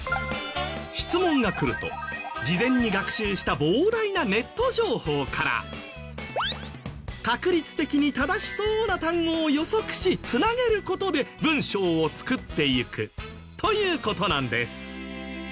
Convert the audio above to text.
質問がくると事前に学習した膨大なネット情報から確率的に正しそうな単語を予測し繋げる事で文章を作っていくという事なんです。